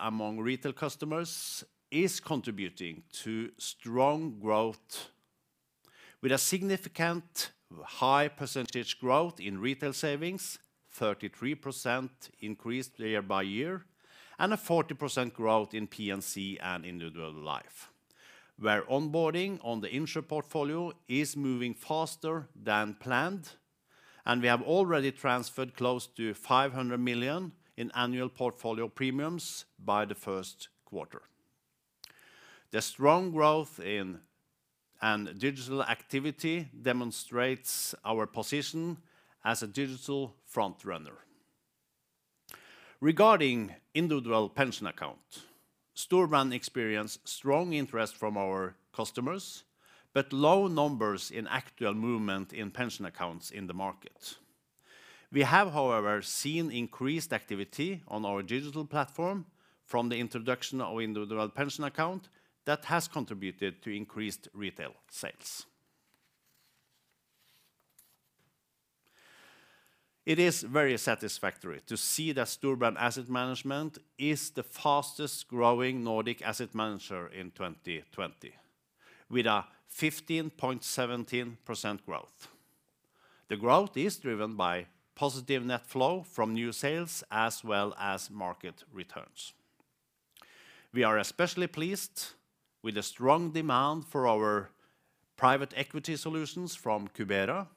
Among retail customers is contributing to strong growth with a significant high percentage growth in retail savings, 33% increase year-by-year, and a 40% growth in P&C and individual life, where onboarding on the Insr portfolio is moving faster than planned, and we have already transferred close to 500 million in annual portfolio premiums by the first quarter. The strong growth and digital activity demonstrates our position as a digital front runner. Regarding individual pension account, Storebrand experienced strong interest from our customers, but low numbers in actual movement in pension accounts in the market. We have, however, seen increased activity on our digital platform from the introduction of individual pension account that has contributed to increased retail sales. It is very satisfactory to see that Storebrand Asset Management is the fastest growing Nordic asset manager in 2020, with a 15.17% growth. The growth is driven by positive net flow from new sales as well as market returns. We are especially pleased with the strong demand for our private equity solutions from Cubera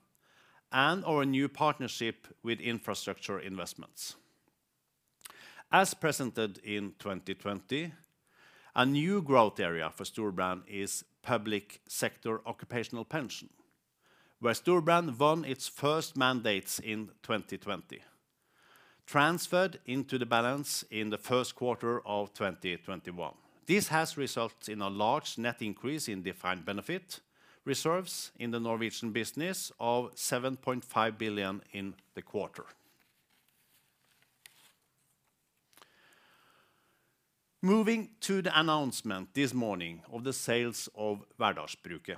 and our new partnership with infrastructure investments. As presented in 2020, a new growth area for Storebrand is public sector occupational pension, where Storebrand won its first mandates in 2020, transferred into the balance in the first quarter of 2021. This has resulted in a large net increase in defined benefit reserves in the Norwegian business of 7.5 billion in the quarter. Moving to the announcement this morning of the sales of Værdalsbruket.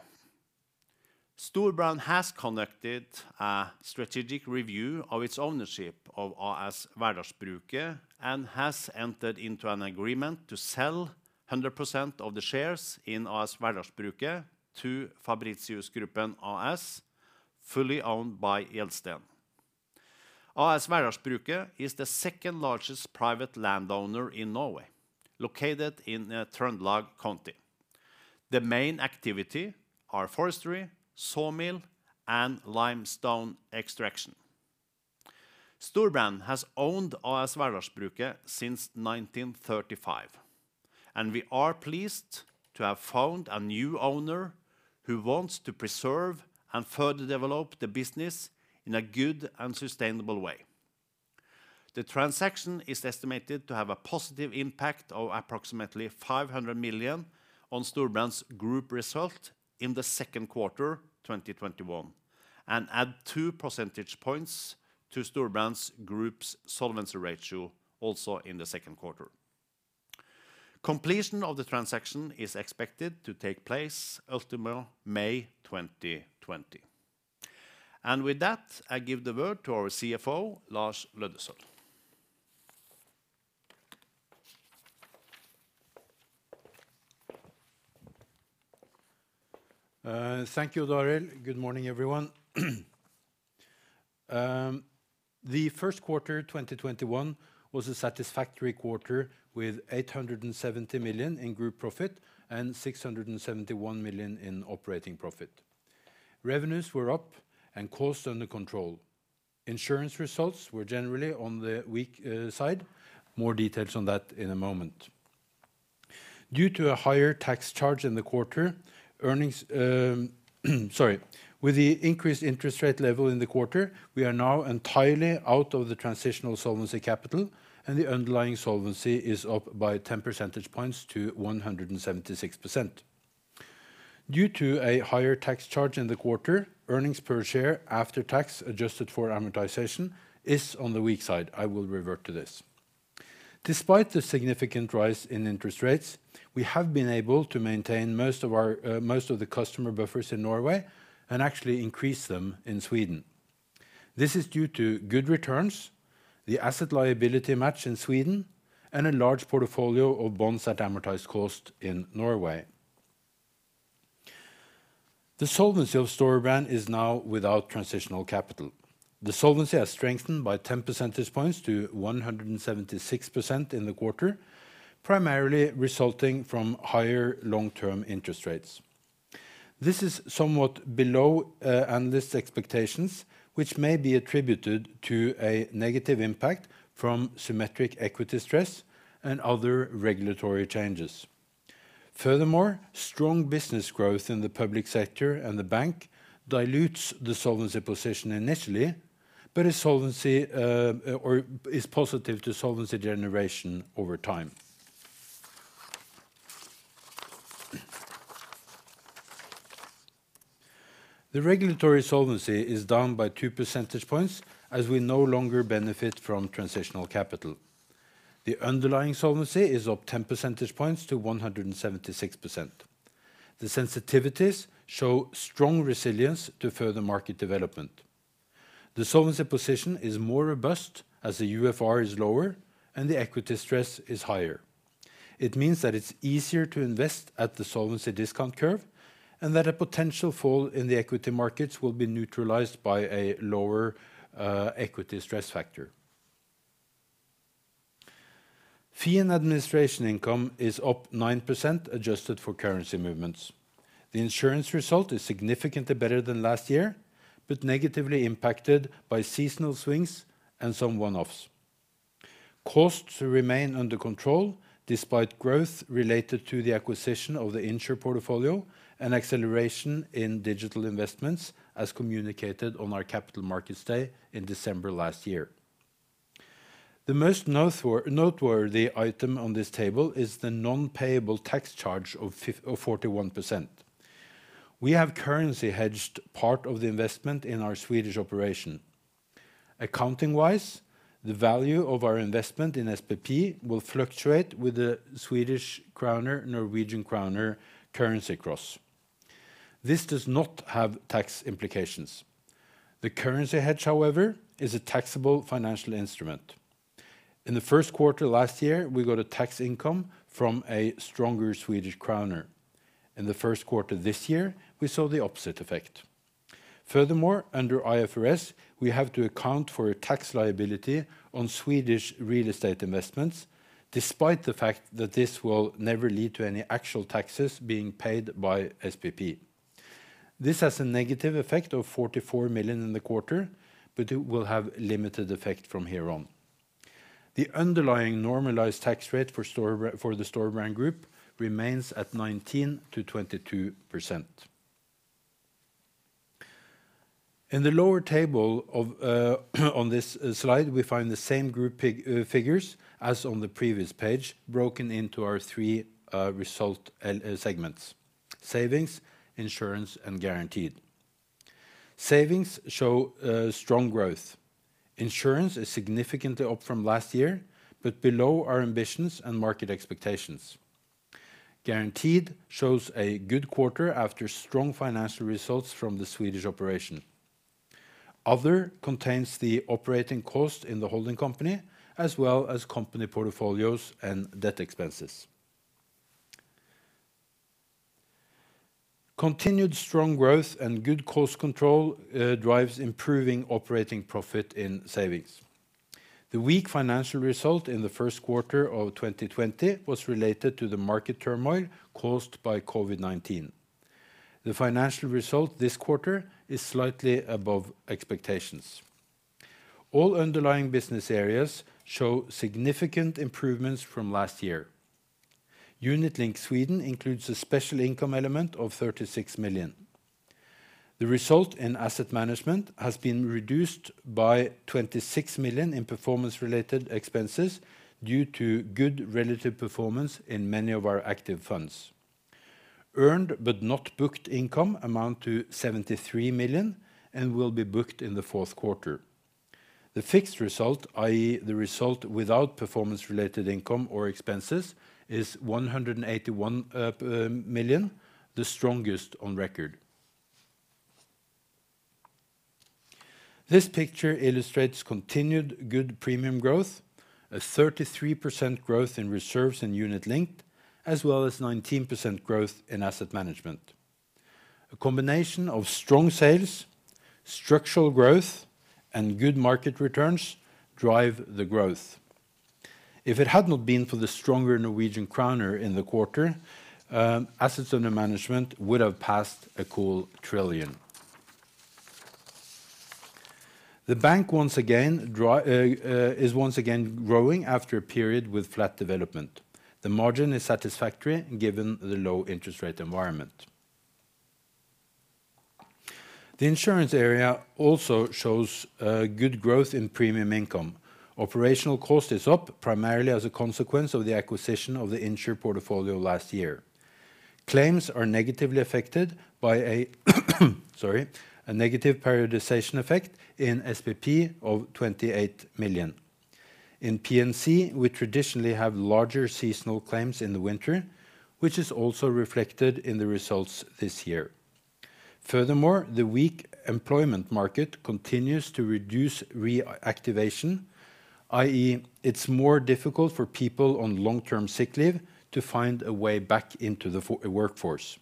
Storebrand has conducted a strategic review of its ownership of AS Værdalsbruket and has entered into an agreement to sell 100% of the shares in AS Værdalsbruket to Fabritius Gruppen AS, fully owned by Gjelsten. AS Værdalsbruket is the second largest private landowner in Norway, located in Trøndelag County. The main activity are forestry, sawmill, and limestone extraction. Storebrand has owned AS Værdalsbruket since 1935, and we are pleased to have found a new owner who wants to preserve and further develop the business in a good and sustainable way. The transaction is estimated to have a positive impact of approximately 500 million on Storebrand's group result in the second quarter 2021 and add 2 percentage points to Storebrand's group's solvency ratio also in the second quarter. Completion of the transaction is expected to take place ultimo May 2020. And with that, I give the word to our CFO, Lars Løddesøl. Thank you, Odd Arild. Good morning, everyone. The first quarter 2021 was a satisfactory quarter with 870 million in group profit and 671 million in operating profit. Revenues were up and costs under control. Insurance results were generally on the weak side. More details on that in a moment. Due to a higher tax charge in the quarter, earnings- sorry. With the increased interest rate level in the quarter, we are now entirely out of the transitional solvency capital, and the underlying solvency is up by 10 percentage points to 176%. Due to a higher tax charge in the quarter, earnings per share after tax adjusted for amortization is on the weak side. I will revert to this. Despite the significant rise in interest rates, we have been able to maintain most of the customer buffers in Norway and actually increase them in Sweden. This is due to good returns, the asset liability match in Sweden, and a large portfolio of bonds at amortized cost in Norway. The solvency of Storebrand is now without transitional capital. The solvency has strengthened by 10 percentage points to 176% in the quarter, primarily resulting from higher long-term interest rates. This is somewhat below analysts' expectations, which may be attributed to a negative impact from symmetric equity stress and other regulatory changes. Furthermore, strong business growth in the public sector and the bank dilutes the solvency position initially, but is solvency, is positive to solvency generation over time. The regulatory solvency is down by 2 percentage points as we no longer benefit from transitional capital. The underlying solvency is up 10 percentage points to 176%. The sensitivities show strong resilience to further market development. The solvency position is more robust as the UFR is lower and the equity stress is higher. It means that it's easier to invest at the solvency discount curve, and that a potential fall in the equity markets will be neutralized by a lower equity stress factor. Fee and administration income is up 9%, adjusted for currency movements. The insurance result is significantly better than last year, but negatively impacted by seasonal swings and some one-offs. Costs remain under control despite growth related to the acquisition of the Insr portfolio and acceleration in digital investments, as communicated on our Capital Markets Day in December last year. The most noteworthy item on this table is the non-payable tax charge of 41%. We have currency hedged part of the investment in our Swedish operation. Accounting-wise, the value of our investment in SPP will fluctuate with the Swedish kroner, Norwegian kroner currency cross. This does not have tax implications. The currency hedge, however, is a taxable financial instrument. In the first quarter last year, we got a tax income from a stronger Swedish kroner. In the first quarter this year, we saw the opposite effect. Furthermore, under IFRS, we have to account for a tax liability on Swedish real estate investments, despite the fact that this will never lead to any actual taxes being paid by SPP. This has a negative effect of 44 million in the quarter, it will have limited effect from here on. The underlying normalized tax rate for the Storebrand Group remains at 19%-22%. In the lower table on this slide, we find the same group figures as on the previous page, broken into our three result segments: savings, insurance, and guaranteed. Savings show strong growth. Insurance is significantly up from last year, below our ambitions and market expectations. Guaranteed shows a good quarter after strong financial results from the Swedish operation. Other contains the operating cost in the holding company, as well as company portfolios and debt expenses. Continued strong growth and good cost control drives improving operating profit in savings. The weak financial result in the first quarter of 2020 was related to the market turmoil caused by COVID-19. The financial result this quarter is slightly above expectations. All underlying business areas show significant improvements from last year. Unit linked Sweden includes a special income element of 36 million. The result in asset management has been reduced by 26 million in performance related expenses due to good relative performance in many of our active funds. Earned, but not booked income amount to 73 million and will be booked in the fourth quarter. The fixed result, i.e. The result without performance related income or expenses, is 181 million, the strongest on record. This picture illustrates continued good premium growth, a 33% growth in reserves and unit linked, as well as 19% growth in asset management. A combination of strong sales, structural growth, and good market returns drive the growth. If it had not been for the stronger Norwegian kroner in the quarter, assets under management would have passed a cool 1 trillion. The bank once again, is once again growing after a period with flat development. The margin is satisfactory given the low interest rate environment. The insurance area also shows good growth in premium income. Operational cost is up primarily as a consequence of the acquisition of the Insr portfolio last year. Claims are negatively affected by a negative periodization effect in SPP of 28 million. In P&C, we traditionally have larger seasonal claims in the winter, which is also reflected in the results this year. Furthermore, the weak employment market continues to reduce reactivation, i.e. it's more difficult for people on long-term sick leave to find a way back into the workforce.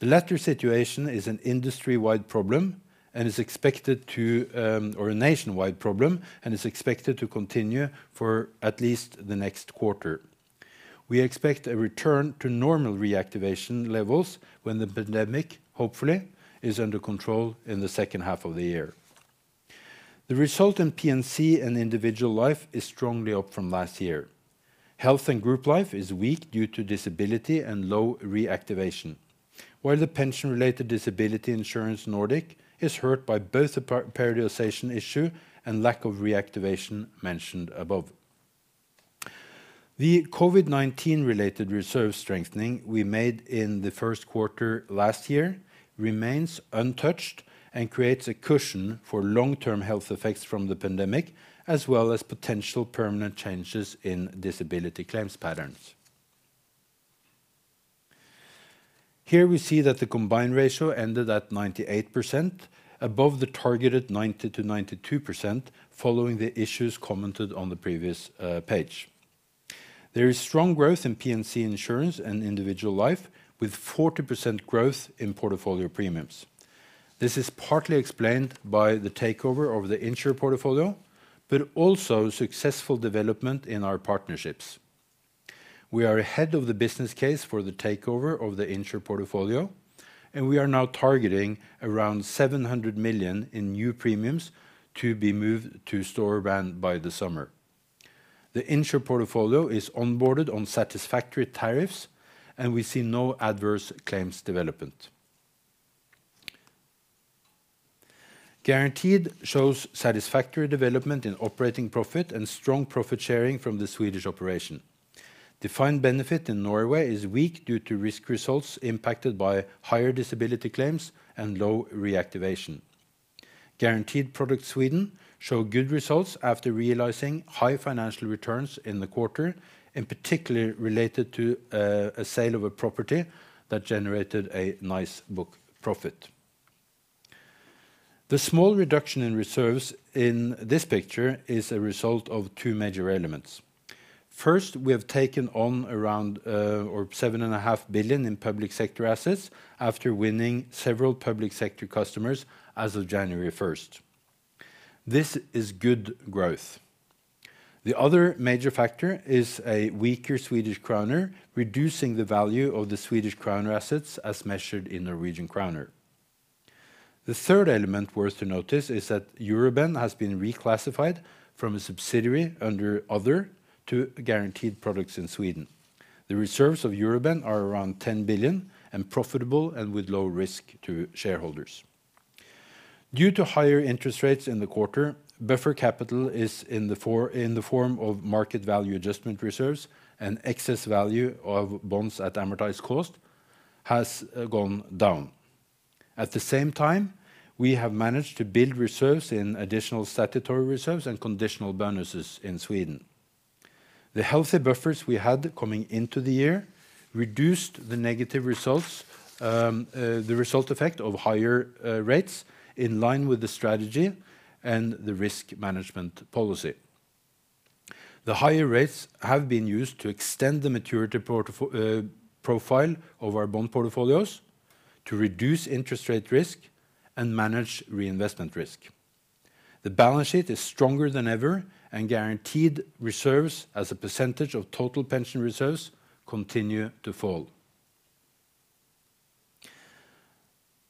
The latter situation is an industry-wide problem and is expected to, or nationwide problem, and is expected to continue for at least the next quarter. We expect a return to normal reactivation levels when the pandemic, hopefully, is under control in the second half of the year. The result in P&C and individual life is strongly up from last year. Health and Group Life is weak due to disability and low reactivation, while the pension related disability insurance Nordic is hurt by both the periodization issue and lack of reactivation mentioned above. The COVID-19 related reserve strengthening we made in the first quarter last year remains untouched and creates a cushion for long-term health effects from the pandemic, as well as potential permanent changes in disability claims patterns. Here we see that the combined ratio ended at 98%, above the targeted 90%-92%, following the issues commented on the previous page. There is strong growth in P&C insurance and individual life, with 40% growth in portfolio premiums. This is partly explained by the takeover of the Insr portfolio, but also successful development in our partnerships. We are ahead of the business case for the takeover of the Insr portfolio, and we are now targeting around 700 million in new premiums to be moved to Storebrand by the summer. The Insr portfolio is onboarded on satisfactory tariffs, and we see no adverse claims development. Guaranteed shows satisfactory development in operating profit and strong profit sharing from the Swedish operation. Defined benefit in Norway is weak due to risk results impacted by higher disability claims and low reactivation. Guaranteed product Sweden show good results after realizing high financial returns in the quarter, in particular related to a sale of a property that generated a nice book profit. The small reduction in reserves in this picture is a result of two major elements. First, we have taken on around 7.5 billion in public sector assets after winning several public sector customers as of January 1st. This is good growth. The other major factor is a weaker Swedish kroner, reducing the value of the Swedish kroner assets as measured in Norwegian kroner. The third element worth to notice is that Euroben has been reclassified from a subsidiary under other to Guaranteed products in Sweden. The reserves of Euroben are around 10 billion and profitable and with low risk to shareholders. Due to higher interest rates in the quarter, buffer capital is in the form of market value adjustment reserves and excess value of bonds at amortized cost has gone down. At the same time, we have managed to build reserves in additional statutory reserves and conditional bonuses in Sweden. The healthy buffers we had coming into the year reduced the negative results, the result effect of higher rates in line with the strategy and the risk management policy. The higher rates have been used to extend the maturity profile of our bond portfolios to reduce interest rate risk and manage reinvestment risk. The balance sheet is stronger than ever, and guaranteed reserves as a percentage of total pension reserves continue to fall.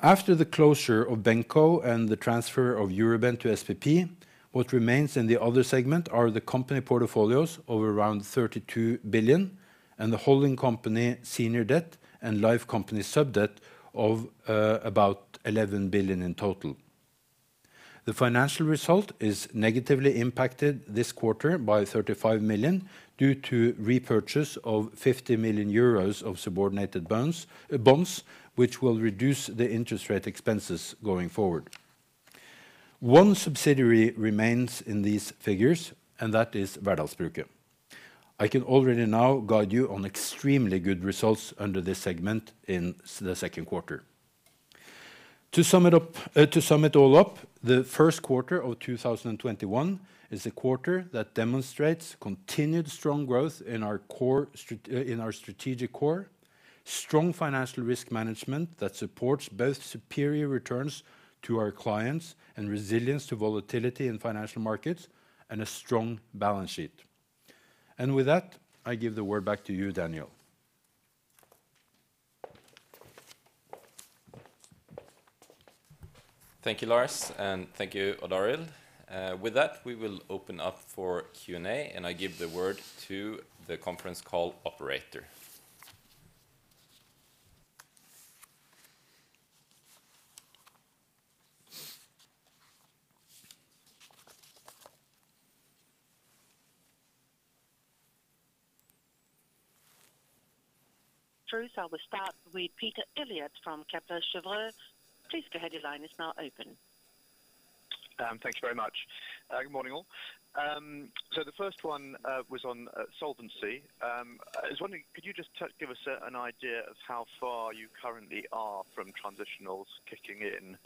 After the closure of BenCo and the transfer of Euroben to SPP, what remains in the other segment are the company portfolios of around 32 billion and the holding company senior debt and life company sub-debt of about 11 billion in total. The financial result is negatively impacted this quarter by 35 million due to repurchase of 50 million euros of subordinated bonds, which will reduce the interest rate expenses going forward. One subsidiary remains in these figures, and that is Værdalsbruket. I can already now guide you on extremely good results under this segment in the second quarter. To sum it up, to sum it all up, the first quarter of 2021 is a quarter that demonstrates continued strong growth in our strategic core, strong financial risk management that supports both superior returns to our clients and resilience to volatility in financial markets, and a strong balance sheet. And with that, I give the word back to you, Daniel. Thank you, Lars, and thank you, Odd Arild. With that, we will open up for Q&A. I give the word to the conference call operator. We start with Peter Eliot from Kepler Cheuvreux. Please go ahead. Your line is now open. Thanks very much. Good morning, all. The first one was on solvency. I was wondering, could you just give us an idea of how far you currently are from Transitionals kicking in?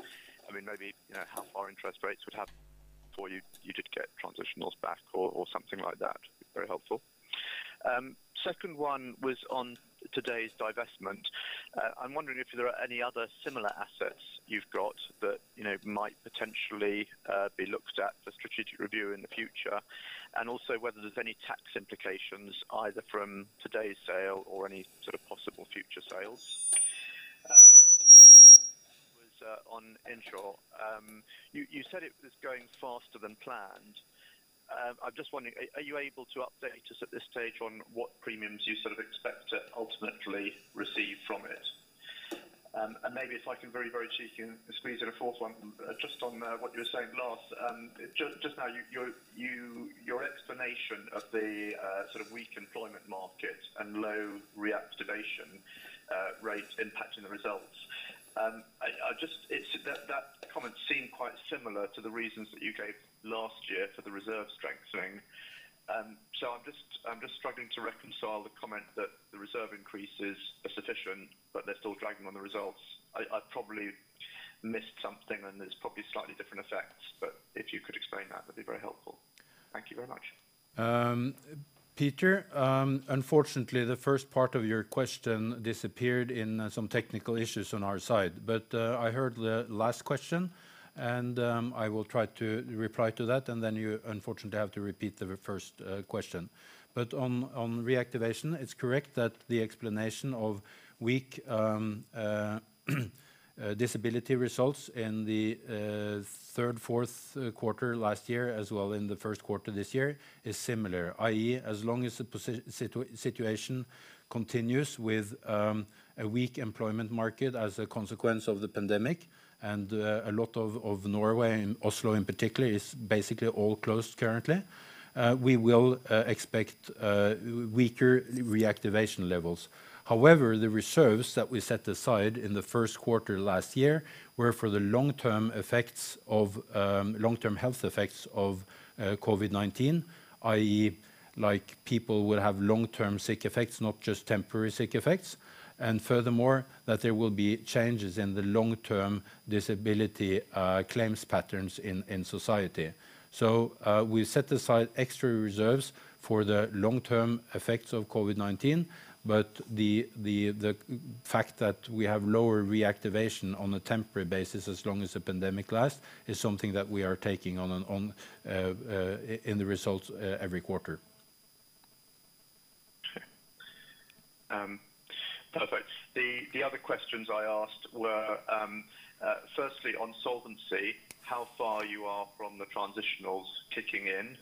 Maybe how far interest rates would have for you did get Transitionals back or something like that. Very helpful. Second one was on today's divestment. I'm wondering if there are any other similar assets you've got that might potentially be looked at for strategic review in the future, and also whether there's any tax implications, either from today's sale or any sort of possible future sales. The third one was on Insr. You said it was going faster than planned. I'm just wondering, are you able to update us at this stage on what premiums you sort of expect to ultimately receive from it? And maybe if I can very, very cheeky squeeze in a fourth one, just on what you were saying, Lars, just now, your explanation of the sort of weak employment market and low reactivation rate impacting the results. I just- That comment seemed quite similar to the reasons that you gave last year for the reserve strengthening. So, I'm just struggling to reconcile the comment that the reserve increases are sufficient, but they're still dragging on the results. I probably missed something, and there's probably slightly different effects, but if you could explain that'd be very helpful. Thank you very much. Peter, unfortunately the first part of your question disappeared in some technical issues on our side, but I heard the last question, and I will try to reply to that, and then you unfortunately have to repeat the first question. But on reactivation, it's correct that the explanation of weak disability results in the third, fourth quarter last year, as well in the first quarter this year, is similar, i.e., as long as the situation continues with a weak employment market as a consequence of the pandemic, and a lot of Norway, and Oslo in particular, is basically all closed currently, we will expect weaker reactivation levels. However, the reserves that we set aside in the first quarter last year were for the long-term health effects of COVID-19, i.e., people will have long-term sick effects, not just temporary sick effects, and furthermore, that there will be changes in the long-term disability claims patterns in society. We set aside extra reserves for the long-term effects of COVID-19, but the fact that we have lower reactivation on a temporary basis as long as the pandemic lasts is something that we are taking on in the results every quarter. Okay. Perfect. The other questions I asked were, firstly, on solvency, how far you are from the Transitionals kicking in.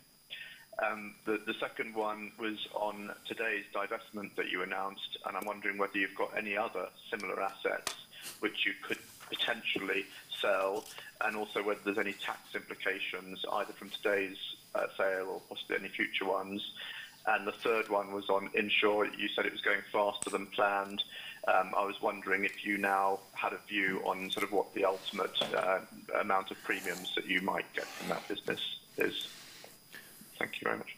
The second one was on today's divestment that you announced, I'm wondering whether you've got any other similar assets which you could potentially sell, and also whether there's any tax implications, either from today's sale or possibly any future ones. The third one was on Insr. You said it was going faster than planned. And I was wondering if you now had a view on what the ultimate amount of premiums that you might get from that business is. Thank you very much.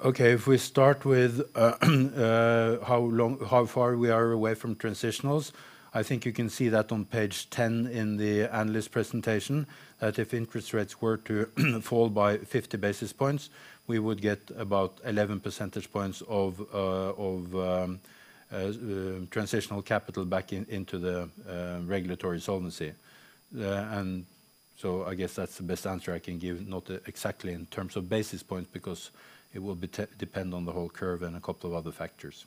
Okay, if we start with how far we are away from Transitionals, I think you can see that on page 10 in the analyst presentation, that if interest rates were to fall by 50 basis points, we would get about 11 percentage points of transitional capital back into the regulatory solvency. So I guess that's the best answer I can give, not exactly in terms of basis points, because it will depend on the whole curve and a couple of other factors.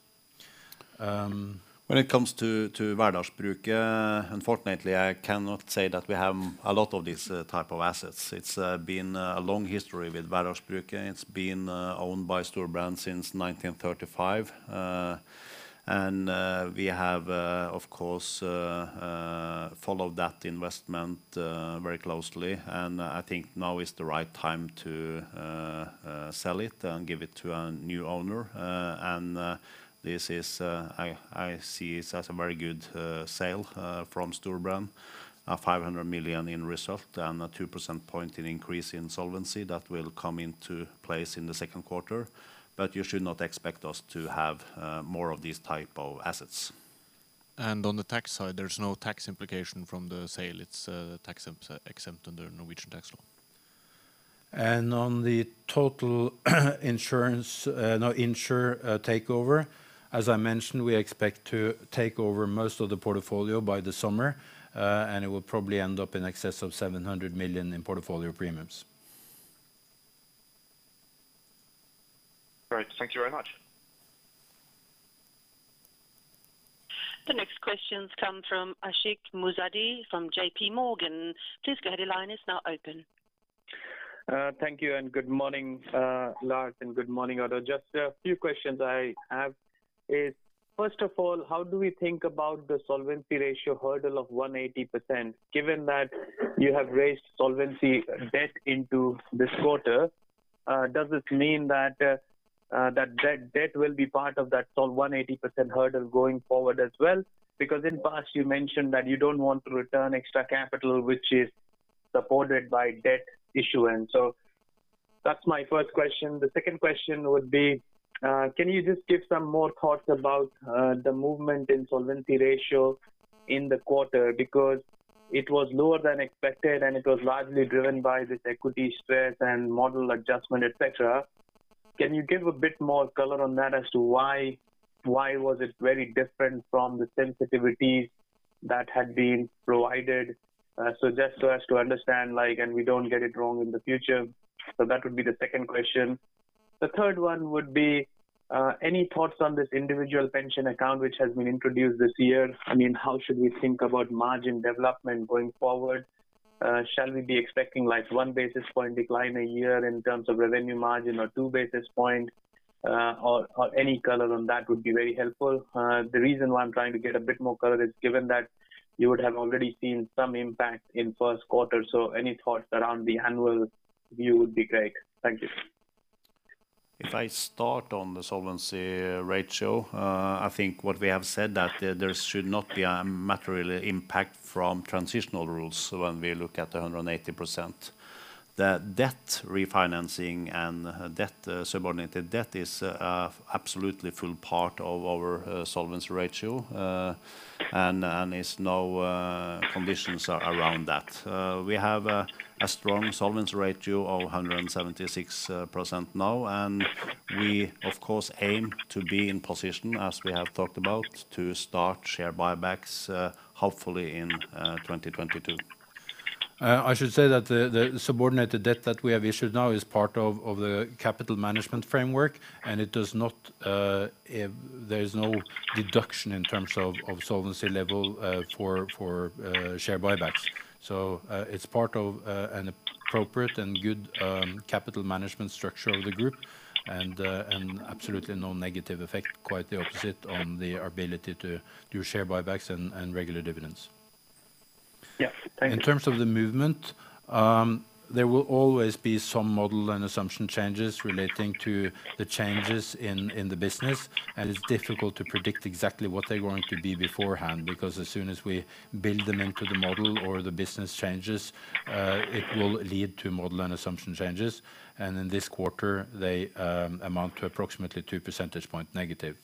When it comes to Værdalsbruket, unfortunately, I cannot say that we have a lot of these type of assets. It's been a long history with Værdalsbruket. It's been owned by Storebrand since 1935. We have, of course, followed that investment very closely, and I think now is the right time to sell it and give it to a new owner. I see it as a very good sale from Storebrand, 500 million in result and a 2% point in increase in solvency that will come into place in the second quarter. But you should not expect us to have more of these type of assets. And on the tax side, there's no tax implication from the sale. It's tax exempt under Norwegian tax law. And on the total Insr takeover, as I mentioned, we expect to take over most of the portfolio by the summer, and it will probably end up in excess of 700 million in portfolio premiums. Great. Thank you very much. The next questions come from Ashik Musaddi from J.P. Morgan. Please go ahead, your line is now open. Thank you and good morning, Lars, and good morning, Odd. Just a few questions I have is. First of all, how do we think about the solvency ratio hurdle of 180%? Given that you have raised solvency debt into this quarter, does this mean that that debt will be part of that 180% hurdle going forward as well? In the past, you mentioned that you don't want to return extra capital, which is supported by debt issuance. That's my first question. The second question would be, can you just give some more thoughts about the movement in solvency ratio in the quarter? Because it was lower than expected, and it was largely driven by this equity stress and model adjustment, et cetera. Can you give a bit more color on that as to why was it very different from the sensitivities that had been provided? So just so as to understand, and we don't get it wrong in the future. That would be the second question. The third one would be, any thoughts on this individual pension account, which has been introduced this year? I mean, how should we think about margin development going forward? Shall we be expecting 1 basis point decline a year in terms of revenue margin or 2 basis point? Any color on that would be very helpful. The reason why I'm trying to get a bit more color is given that you would have already seen some impact in first quarter. So, any thoughts around the annual view would be great. Thank you. If I start on the solvency ratio, I think what we have said that there should not be a material impact from transitional rules when we look at 180%. The debt refinancing and debt subordinated debt are absolutely full part of our solvency ratio, and there are no conditions around that. We have a strong solvency ratio of 176% now, and we of course aim to be in position as we have talked about to start share buybacks hopefully in 2022. I should say that the subordinated debt that we have issued now is part of the capital management framework. And it does not, there is no deduction in terms of solvency level for share buybacks. It's part of an appropriate and good capital management structure of the group, and absolutely no negative effect, quite the opposite, on the ability to do share buybacks and regular dividends. Yes. Thank you. In terms of the movement, there will always be some model and assumption changes relating to the changes in the business, and it's difficult to predict exactly what they're going to be beforehand, because as soon as we build them into the model or the business changes, it will lead to model and assumption changes. And in this quarter, they amount to approximately 2 percentage point negative.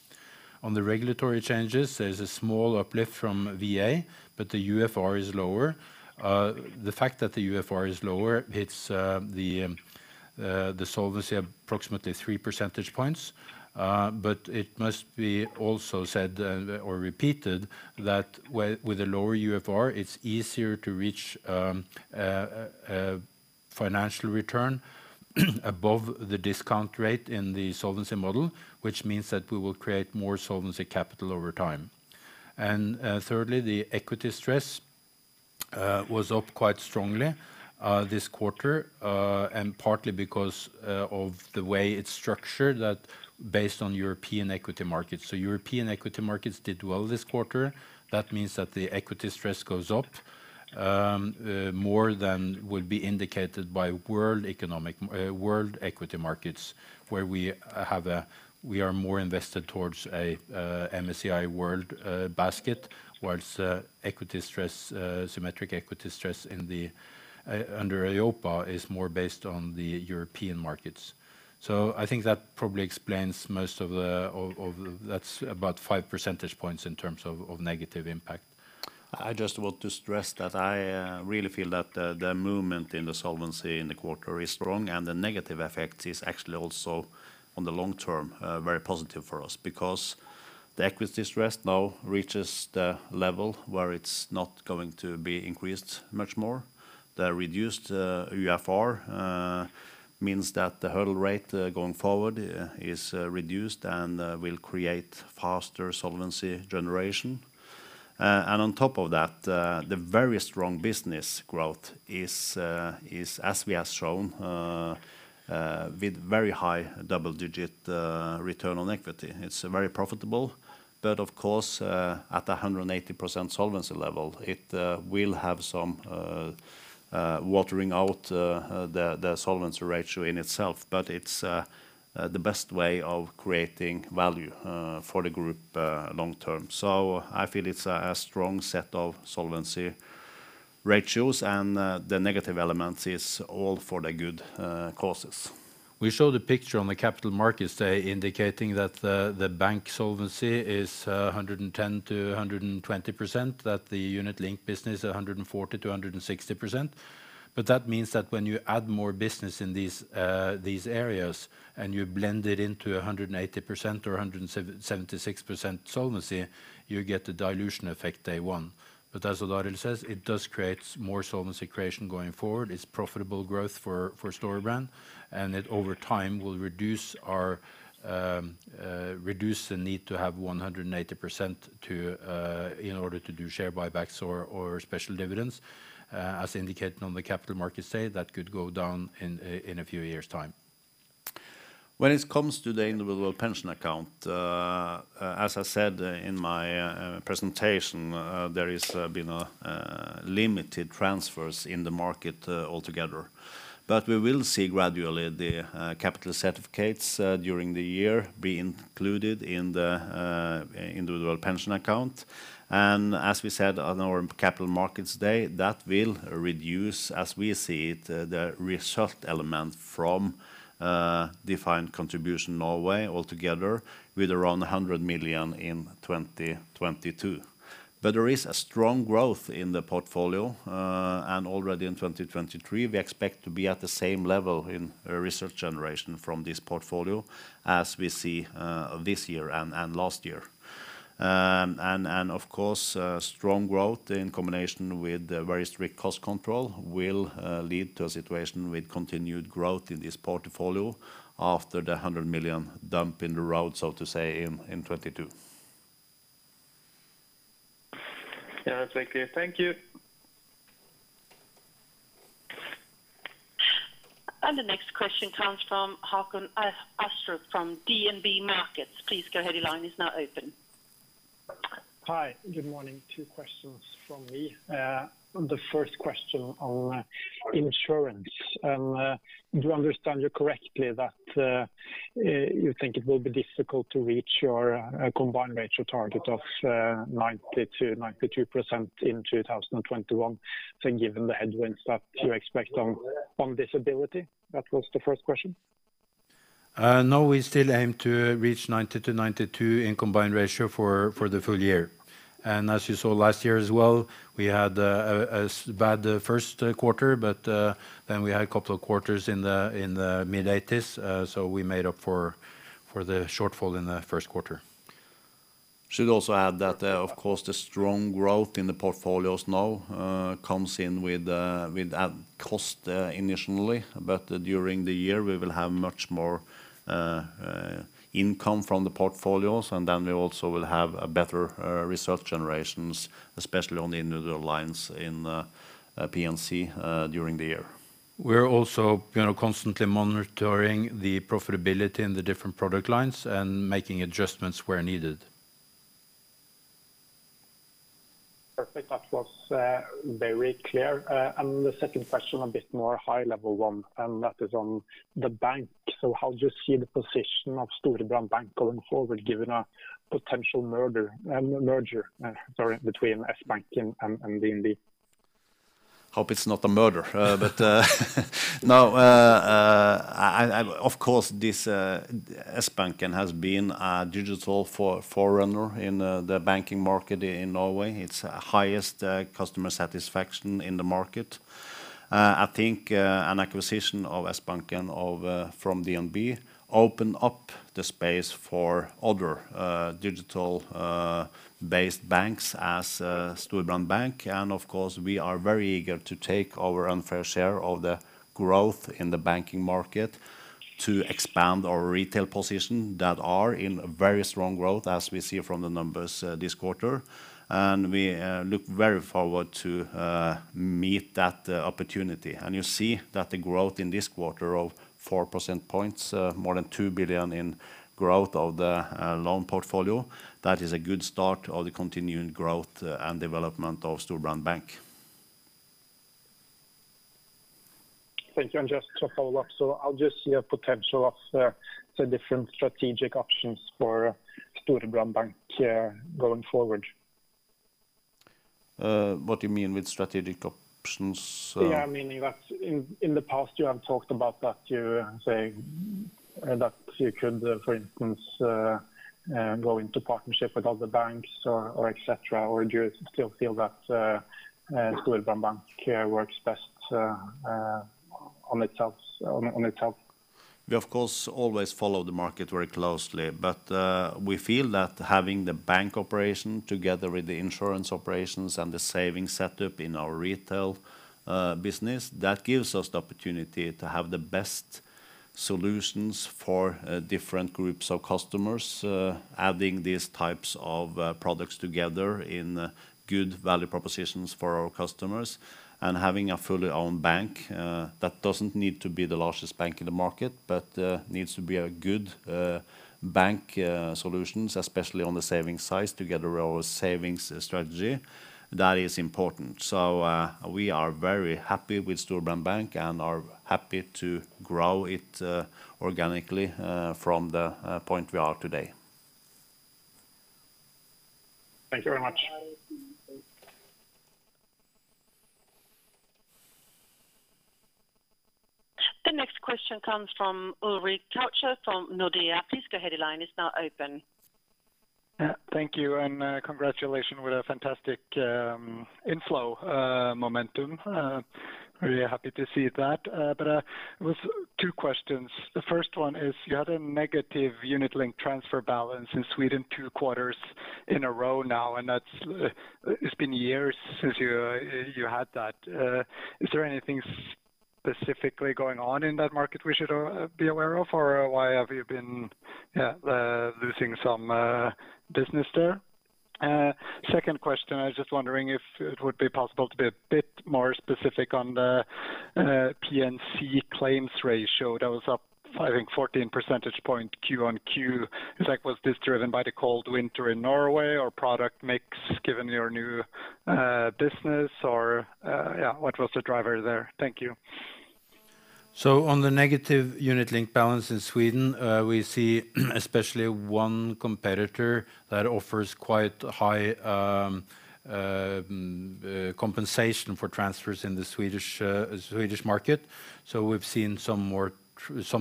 On the regulatory changes, there's a small uplift from VA, but the UFR is lower. The fact that the UFR is lower hits the solvency approximately 3 percentage points. But it must be also said, or repeated, that with a lower UFR, it's easier to reach financial return above the discount rate in the solvency model, which means that we will create more solvency capital over time. Thirdly, the equity stress was up quite strongly this quarter, partly because of the way it's structured that based on European equity markets. European equity markets did well this quarter. That means that the equity stress goes up more than would be indicated by world equity markets, where we are more invested towards a MSCI World basket, whilst equity stress, symmetric equity stress in the, under EIOPA is more based on the European markets. So I think that probably explains most of a... That's about 5 percentage points in terms of negative impact. I just want to stress that I really feel that the movement in the solvency in the quarter is strong, and the negative effect is actually also on the long term very positive for us, because the equity stress now reaches the level where it's not going to be increased much more. The reduced UFR means that the hurdle rate going forward is reduced and will create faster solvency generation. On top of that, the very strong business growth is as we have shown with very high double digit return on equity. It's very profitable. Of course, at 180% solvency level, it will have some watering out the solvency ratio in itself, but it's the best way of creating value for the group long term. I feel it's a strong set of solvency ratios, and the negative elements is all for the good causes. We show the picture on the Capital Markets Day indicating that the bank solvency is 110%-120%, that the unit-linked business 140%-160%. That means that when you add more business in these areas, and you blend it into 180% or 176% solvency, you get the dilution effect day one. As Lars says, it does create more solvency creation going forward. It's profitable growth for Storebrand, and it over time will reduce the need to have 180% in order to do share buybacks or special dividends. As indicated on the Capital Markets Day, that could go down in a few years' time. When it comes to the Individual Pension Account, as I said in my presentation, there has been limited transfers in the market altogether. We will see gradually the pension capital certificates during the year be included in the Individual Pension Account. And as we said on our Capital Markets Day, that will reduce, as we see it, the result element from Defined Contribution Norway altogether with around 100 million in 2022. There is a strong growth in the portfolio, and already in 2023, we expect to be at the same level in result generation from this portfolio as we see this year and last year. Of course, strong growth in combination with very strict cost control will lead to a situation with continued growth in this portfolio after the 100 million dump in the road, so to say, in 2022. Yeah, that's clear. Thank you. The next question comes from Håkon Astrup from DNB Markets. Please go ahead, your line is now open Hi, good morning. Two questions from me. The first question on insurance. Do I understand you correctly that you think it will be difficult to reach your combined ratio target of 90%-92% in 2021, given the headwinds that you expect on disability? That was the first question. No, we still aim to reach 90%-92% in combined ratio for the full year. As you saw last year as well, we had a bad first quarter, but, then we had a couple of quarters in the mid 80s. We made up for the shortfall in the first quarter. Should also add that, of course, the strong growth in the portfolios now comes in with that cost initially, but during the year, we will have much more income from the portfolios, and then we also will have better reserve generations, especially on the individual lines in the P&C during the year. We're also constantly monitoring the profitability in the different product lines and making adjustments where needed. Perfect. That was very clear. The second question, a bit more high level one, and that is on the bank. How do you see the position of Storebrand Bank going forward, given a potential murder, merger, sorry, between Sbanken and DNB? Hope it's not a murder. But, no, of course this Sbanken has been a digital forerunner in the banking market in Norway. It's highest customer satisfaction in the market. I think an acquisition of Sbanken from DNB open up the space for other digital based banks as Storebrand Bank. Of course, we are very eager to take our unfair share of the growth in the banking market to expand our retail position that are in very strong growth, as we see from the numbers this quarter. And we look very forward to meet that opportunity. You see that the growth in this quarter of 4 percent points, more than 2 billion in growth of the loan portfolio, that is a good start of the continuing growth and development of Storebrand Bank. Thank you. Just to follow up. How do you see a potential of the different strategic options for Storebrand Bank going forward? What do you mean with strategic options? Yeah, meaning that in the past you have talked about that you say that you could, for instance, go into partnership with other banks or et cetera. Do you still feel that Storebrand Bank works best on its own? We, of course, always follow the market very closely, but we feel that having the bank operation together with the insurance operations and the saving setup in our retail business, that gives us the opportunity to have the best solutions for different groups of customers. Adding these types of products together in good value propositions for our customers and having a fully owned bank, that doesn't need to be the largest bank in the market, but needs to be a good bank solution, especially on the savings side, together with our savings strategy. That is important. We are very happy with Storebrand Bank and are happy to grow it organically from the point we are today. Thank you very much. The next question comes from Ulrik Årdal Zürcher from Nordea. Please go ahead, your line is now open. Thank you. Congratulations with a fantastic inflow momentum. Really happy to see that. Two questions, the first one is, you had a negative unit link transfer balance in Sweden two quarters in a row now, and it's been years since you had that. Is there anything specifically going on in that market we should be aware of, or why have you been losing some business there? Second question, I was just wondering if it would be possible to be a bit more specific on the P&C claims ratio that was up, I think 14 percentage point Q on Q. Was this driven by the cold winter in Norway or product mix given your new business? What was the driver there? Thank you. On the negative unit link balance in Sweden, we see especially one competitor that offers quite high compensation for transfers in the Swedish market. We've seen some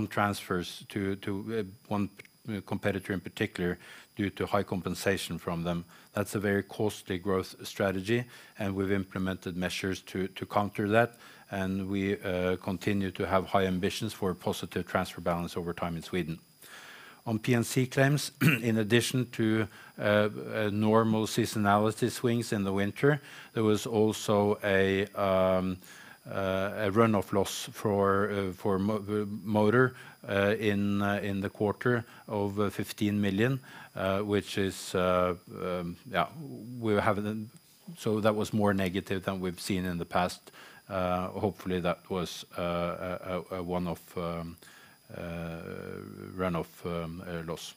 transfers to one competitor in particular due to high compensation from them. That's a very costly growth strategy, and we've implemented measures to counter that, and we continue to have high ambitions for a positive transfer balance over time in Sweden. On P&C claims, in addition to normal seasonality swings in the winter, there was also a run-off loss for motor in the quarter of 15 million which is a... That was more negative than we've seen in the past. Hopefully that was a one-off run-off loss.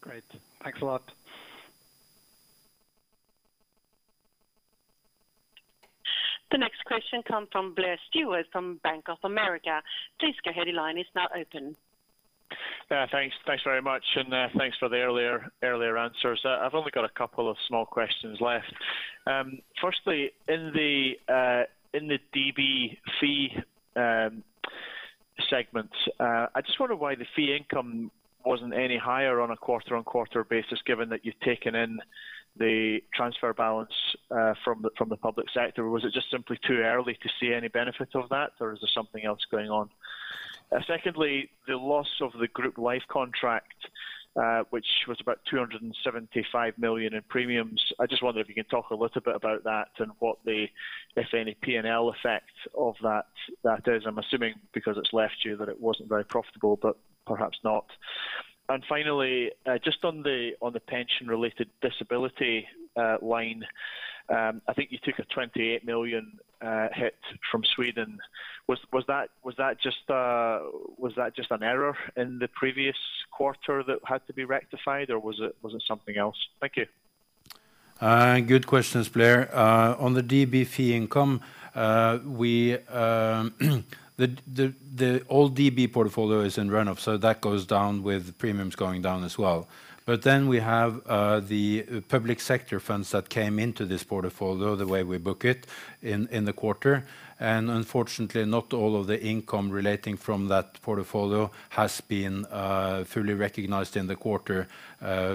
Great. Thanks a lot. The next question come from Blair Stewart from Bank of America. Please go ahead, your line is now open. Thanks very much, and thanks for the earlier answers. I've only got a couple of small questions left. Firstly, in the DB fee segments, I just wonder why the fee income wasn't any higher on a quarter-on-quarter basis, given that you've taken in the transfer balance from the public sector. Was it just simply too early to see any benefit of that, or is there something else going on? Secondly, the loss of the group life contract, which was about 275 million in premiums. I just wonder if you can talk a little bit about that and what the, if any, P&L effect of that is. I'm assuming because it's left you that it wasn't very profitable, but perhaps not. And finally, just on the pension-related disability line, I think you took a 28 million hit from Sweden. Was that just an error in the previous quarter that had to be rectified, or was it something else? Thank you. Good questions, Blair. On the DB fee income, we, the old DB portfolio is in run-off, so that goes down with premiums going down as well. But then we have the public sector funds that came into this portfolio, the way we book it in the quarter. And unfortunately, not all of the income relating from that portfolio has been fully recognized in the quarter,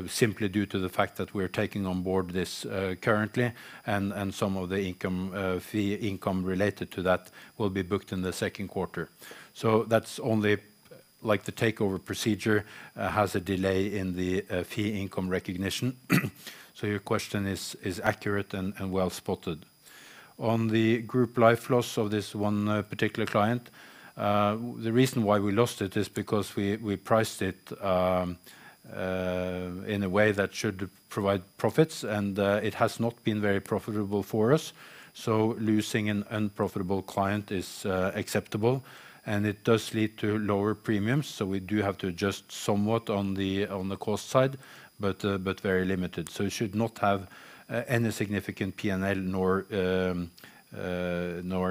simply due to the fact that we're taking on board this currently, and some of the fee income related to that will be booked in the second quarter. That's only like the takeover procedure has a delay in the fee income recognition. Your question is accurate and well spotted. On the group life loss of this one particular client, the reason why we lost it is because we priced it in a way that should provide profits, and it has not been very profitable for us. Losing an unprofitable client is acceptable, and it does lead to lower premiums, so we do have to adjust somewhat on the cost side, but very limited. It should not have any significant P&L, nor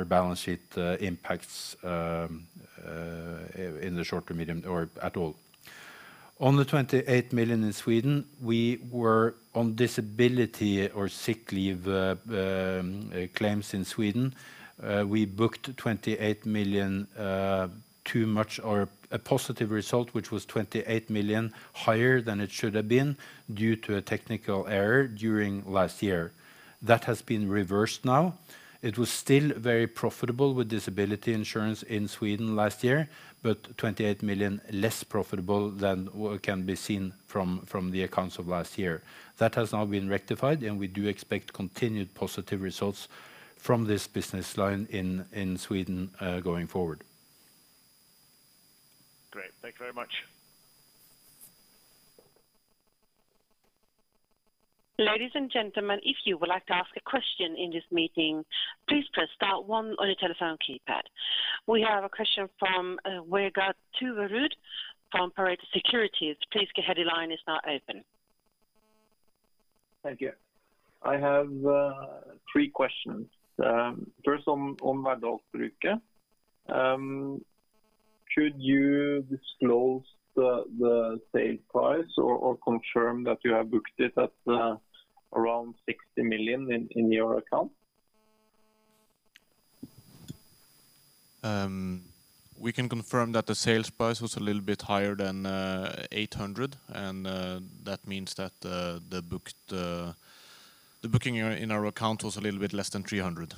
balance sheet impacts in the short, medium, or at all. On the 28 million in Sweden, we were on disability or sick leave claims in Sweden. We booked 28 million too much, or a positive result, which was 28 million higher than it should have been due to a technical error during last year. That has been reversed now. It was still very profitable with disability insurance in Sweden last year, but 28 million less profitable than what can be seen from the accounts of last year. That has now been rectified, and we do expect continued positive results from this business line in Sweden, going forward. Great. Thank you very much. Ladies and gentlemen, if you would like to ask a question in this meeting, please press star one on your telephone keypad. We have a question from Vegard Toverud from Pareto Securities. Please go ahead, your line is now open. Thank you. I have three questions. First, on Værdalsbruket. Should you disclose the sales price or confirm that you have booked it around 60 million in your account? We can confirm that the sales price are a little bit higher than 800 million and that means that the booked, the booking in our account was a little bit less than 300 million.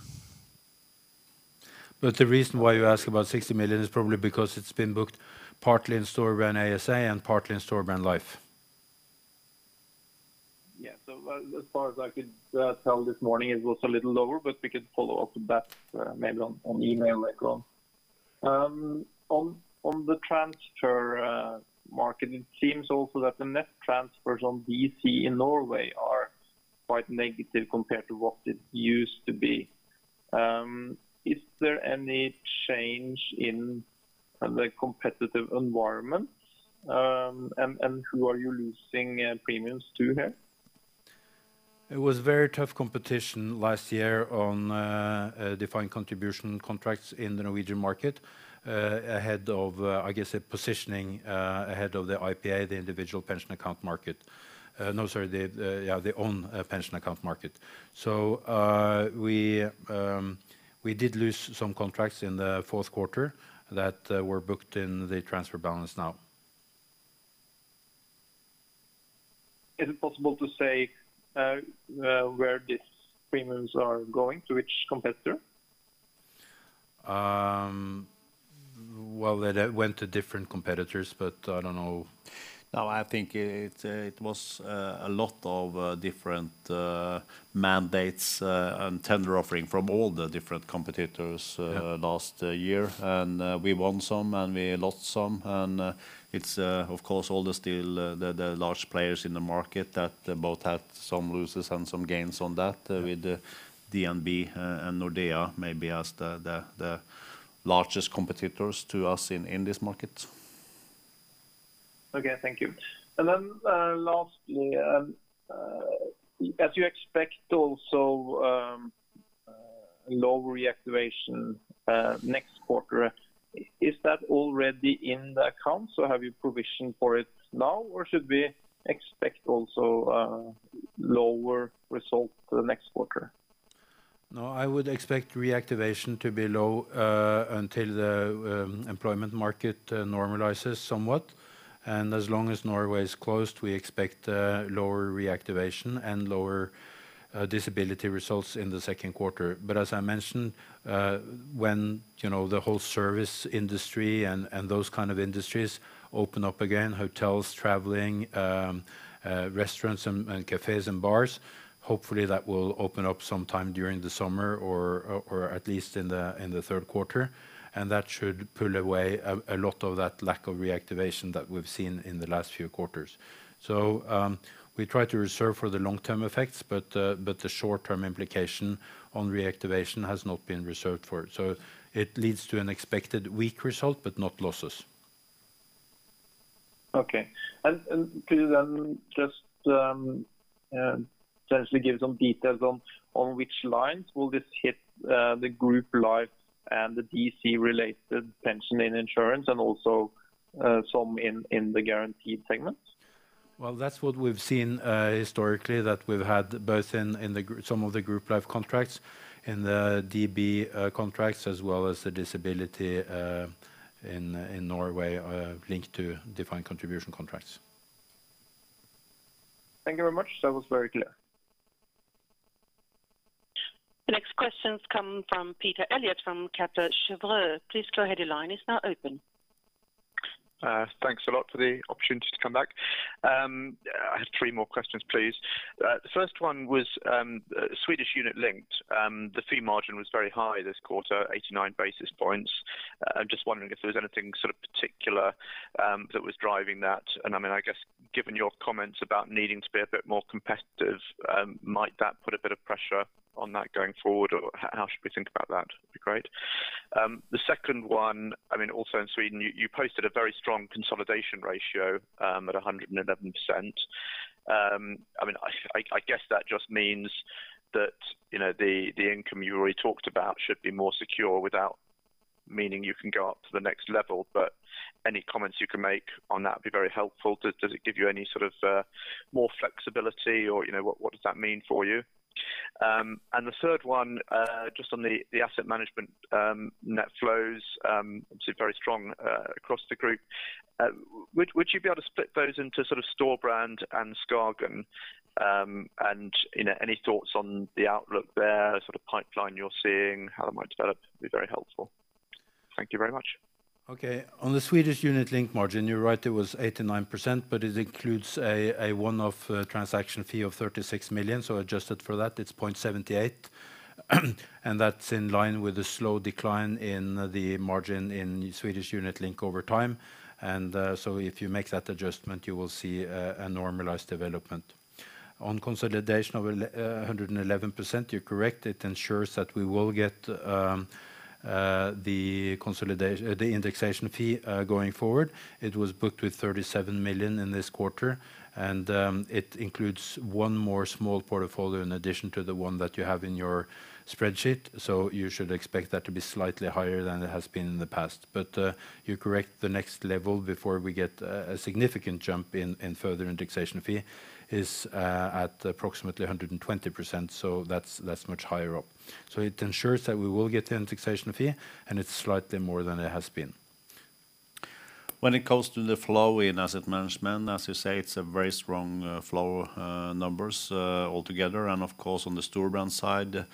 But the reason why you ask about 60 million is probably because it's been booked partly in Storebrand ASA and partly in Storebrand Life. Yeah. So, as far as I could tell this morning, it was a little lower, but we could follow up with that maybe on email later on. On the transfer marketing teams also that the net transfers on DC in Norway are quite negative compared to what it used to be. Is there any change in the competitive environment? Who are you losing premiums to here? It was very tough competition last year on defined contribution contracts in the Norwegian market, ahead of, I guess, a positioning ahead of the IPA, the individual pension account market. No, sorry. The own pension account market. We did lose some contracts in the fourth quarter that were booked in the transfer balance now. Is it possible to say where these premiums are going, to which competitor? Well, they went to different competitors, but I don't know. No, I think it was a lot of different. Mandates and tender offering from all the different competitors- Yeah. last year. We won some and we lost some. It's, of course, all the large players in the market that both had some losses and some gains on that with DNB and Nordea maybe as the largest competitors to us in this market. Okay. Thank you. And then lastly, as you expect also low reactivation next quarter, is that already in the accounts or have you provisioned for it now, or should we expect also lower result the next quarter? No, I would expect reactivation to be low until the employment market normalizes somewhat. As long as Norway is closed, we expect lower reactivation and lower disability results in the second quarter. But as I mentioned, when the whole service industry and those kind of industries open up again, hotels, traveling, restaurants and cafes and bars, hopefully that will open up sometime during the summer or at least in the third quarter. That should pull away a lot of that lack of reactivation that we've seen in the last few quarters. We try to reserve for the long-term effects, but the short-term implication on reactivation has not been reserved for. It leads to an expected weak result, but not losses. Okay. Could you then just potentially give some details on which lines will this hit the group life and the DC related pension and insurance and also some in the guaranteed segments? Well, that's what we've seen historically, that we've had both in some of the group life contracts, in the DB contracts, as well as the disability in Norway linked to defined contribution contracts. Thank you very much. That was very clear. The next questions come from Peter Eliot from Kepler Cheuvreux. Please go ahead, your line is now open. Thanks a lot for the opportunity to come back. I have three more questions, please. The first one was, Swedish unit linked. The fee margin was very high this quarter, 89 basis points. I'm just wondering if there was anything particular that was driving that. And then I guess given your comments about needing to be a bit more competitive, might that put a bit of pressure on that going forward, or how should we think about that? That'd be great. The second one, also in Sweden, you posted a very strong solvency ratio, at 111%. I guess that just means that the income you already talked about should be more secure without meaning you can go up to the next level. Any comments you can make on that would be very helpful. Does it give you any more flexibility or what does that mean for you? The third one, just on the asset management net flows, obviously very strong across the group. Would you be able to split those into Storebrand and SKAGEN? Any thoughts on the outlook there, pipeline you are seeing, how that might develop, would be very helpful. Thank you very much. Okay. On the Swedish unit link margin, you're right, it was 89%, but it includes a one-off transaction fee of 36 million. Adjusted for that, it's 0.78. That's in line with the slow decline in the margin in Swedish unit link over time. If you make that adjustment, you will see a normalized development. On consolidation of 111%, you're correct. It ensures that we will get the indexation fee going forward. It was booked with 37 million in this quarter, and it includes one more small portfolio in addition to the one that you have in your spreadsheet. You should expect that to be slightly higher than it has been in the past. But you're correct, the next level before we get a significant jump in further indexation fee is at approximately 120%, so that's much higher up. It ensures that we will get the indexation fee, and it's slightly more than it has been. When it comes to the flow in asset management, as you say, it's a very strong flow numbers altogether, and of course, on the Storebrand side,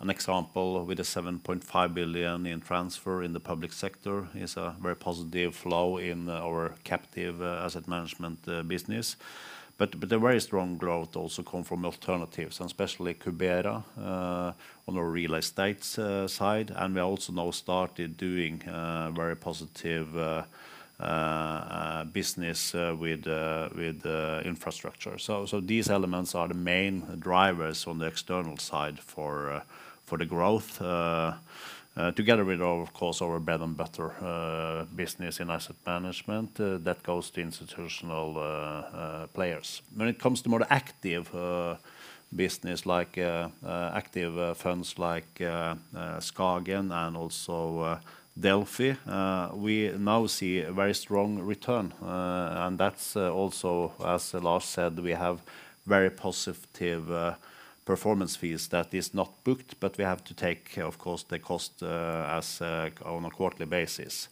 an example with a 7.5 billion in transfer in the public sector is a very positive flow in our captive asset management business. The very strong growth also come from alternatives, and especially Cubera on our real estate side, and we also now started doing very positive business with infrastructure. These elements are the main drivers on the external side for the growth together with, of course, our bread-and-butter business in asset management that goes to institutional players. When it comes to more active business like active funds like SKAGEN and also Delphi, we now see a very strong return. That's also, as Lars said, we have very positive performance fees that is not booked, but we have to take, of course, the cost on a quarterly basis.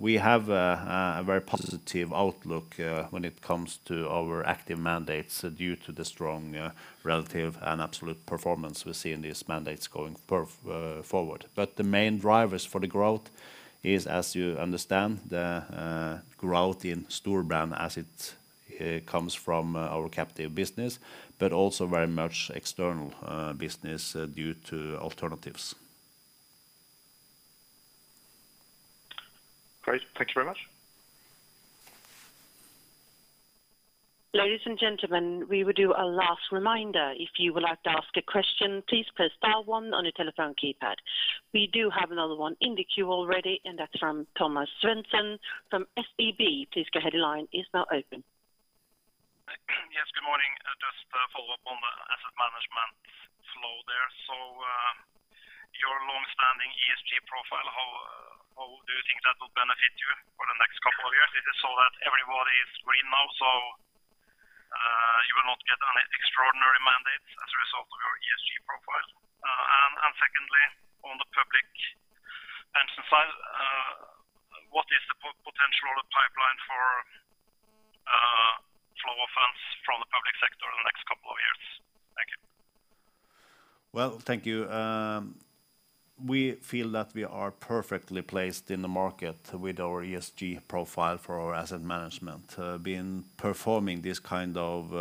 We have a very positive outlook when it comes to our active mandates due to the strong relative and absolute performance we see in these mandates going forward. The main drivers for the growth is, as you understand, the growth in Storebrand as it comes from our captive business, but also very much external business due to alternatives. Great. Thank you very much. Ladies and gentlemen, we will do a last reminder. If you would like to ask a question, please press star one on your telephone keypad. We do have another one in the queue already, and that is from Thomas Svendsen from SEB. Please go ahead, line is now open. Yes, good morning. Just a follow-up on the asset management flow there. Your longstanding ESG profile, how do you think that will benefit you for the next couple of years? It is so that everybody is green now, so you will not get any extraordinary mandates as a result of your ESG profile. Secondly, on the public pension side, what is the potential of pipeline for flow of funds from the public sector in the next couple of years? Thank you. Well, thank you. We feel that we are perfectly placed in the market with our ESG profile for our asset management. Being performing this kind of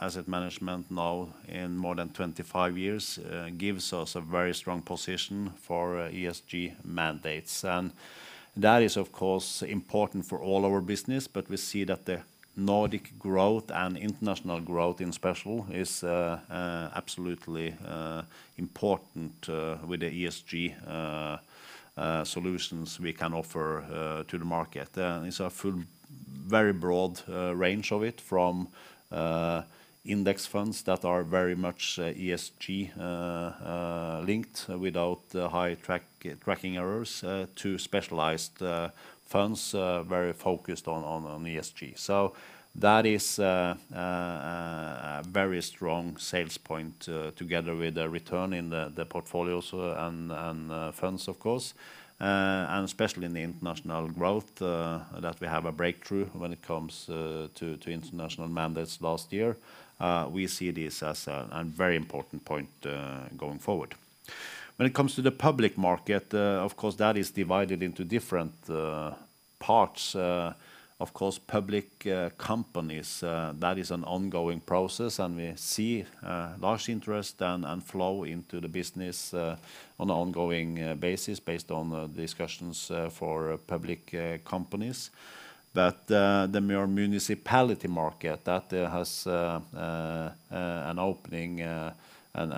asset management now in more than 25 years gives us a very strong position for ESG mandates. That is of course important for all our business. We see that the Nordic growth and international growth in special is absolutely important with the ESG solutions we can offer to the market. It's a very broad range of it from index funds that are very much ESG linked without high tracking errors to specialized funds very focused on ESG. That is a very strong sales point together with the return in the portfolios and funds of course, and especially in the international growth that we have a breakthrough when it comes to international mandates last year. We see this as a very important point going forward. When it comes to the public market, of course, that is divided into different parts. Of course, public companies, that is an ongoing process and we see large interest and flow into the business on an ongoing basis based on discussions for public companies. The mere municipality market that has an opening in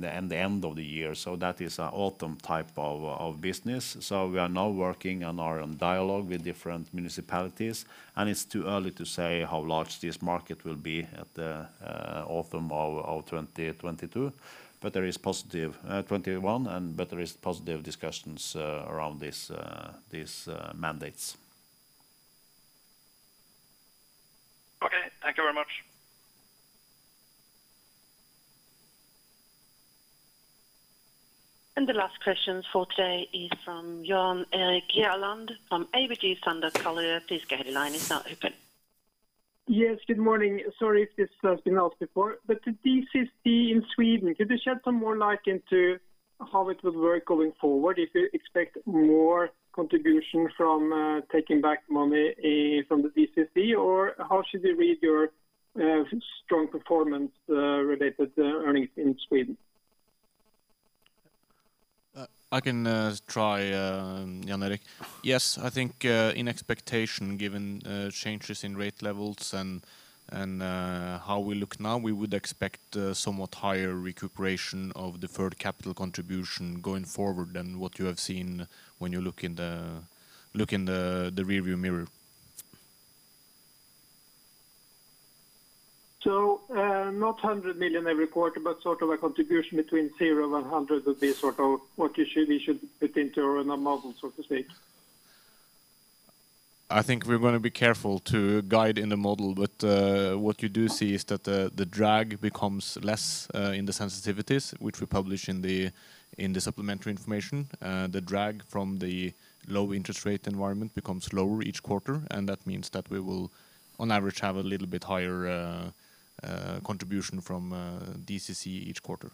the end of the year. That is autumn type of business. We are now working on our own dialogue with different municipalities, and it is too early to say how large this market will be at the autumn of 2022. But there is positive, 2021, but there is positive discussions around these mandates. Okay, thank you very much. And the last question for today is from Jan Erik Gjerland from ABG Sundal Collier. Please go ahead, line is now open. Yes, good morning. Sorry if this has been asked before, the DCC in Sweden, could you shed some more light into how it will work going forward? If you expect more contribution from taking back money from the DCC or how should we read your strong performance related earnings in Sweden? I can try, Jan Erik. Yes, I think in expectation given changes in rate levels and how we look now, we would expect somewhat higher recuperation of deferred capital contribution going forward than what you have seen when you look in the rearview mirror. Not 100 million every quarter, but sort of a contribution between 0 million and 100 million would be sort of what we should put into our model, so to speak? I think we're going to be careful to guide in the model, but what you do see is that the drag becomes less in the sensitivities, which we publish in the supplementary information. The drag from the low interest rate environment becomes lower each quarter, and that means that we will, on average, have a little bit higher contribution from DCC each quarter.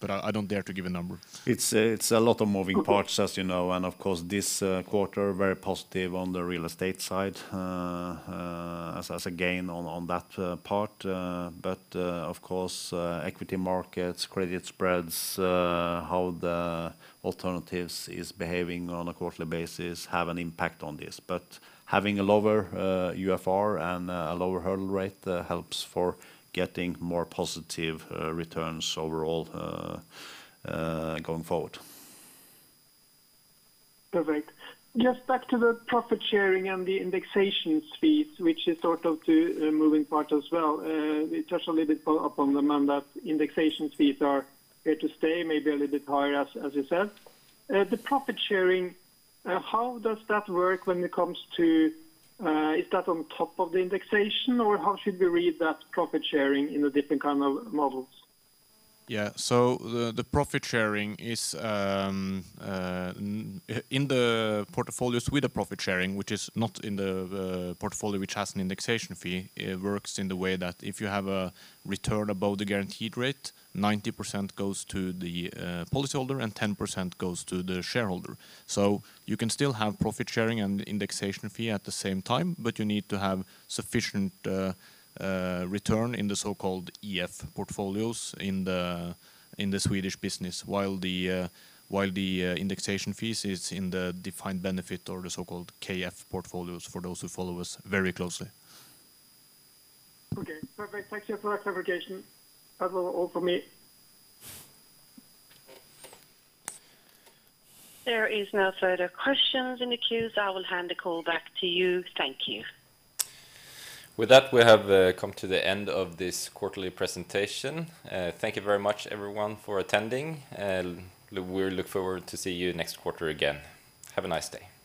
I don't dare to give a number. It's a lot of moving parts as you know, of course this quarter very positive on the real estate side as a gain on that part. But of course, equity markets, credit spreads, how the alternatives is behaving on a quarterly basis have an impact on this. But having a lower UFR and a lower hurdle rate helps for getting more positive returns overall going forward. Perfect. Just back to the profit sharing and the indexation fees, which is sort of the moving part as well. It touches a little bit upon them and that indexation fees are here to stay maybe a little bit higher as you said. The profit sharing, how does that work when it comes to? Is that on top of the indexation, or how should we read that profit sharing in the different kind of models? Yeah. The profit sharing is in the portfolios with the profit sharing, which is not in the portfolio which has an indexation fee. It works in the way that if you have a return above the guaranteed rate, 90% goes to the policy holder and 10% goes to the shareholder. You can still have profit sharing and indexation fee at the same time, but you need to have sufficient return in the so-called EF portfolios in the Swedish business while the indexation fees is in the defined benefit or the so-called KF portfolios for those who follow us very closely. Okay, perfect. Thank you for that clarification. That was all for me. There is no further questions in the queue, so I will hand the call back to you. Thank you. With that, we have come to the end of this quarterly presentation. Thank you very much everyone for attending. We look forward to see you next quarter again. Have a nice day.